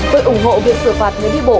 tôi ủng hộ việc xử phạt người đi bộ